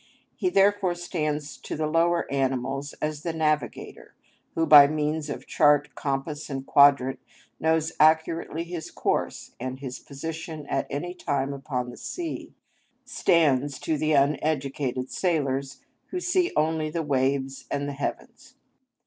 He, therefore, stands to the lower animals as the navigator who, by means of chart, compass, and quadrant, knows accurately his course and his position at any time upon the sea, stands to the uneducated sailors who see only the waves and the heavens.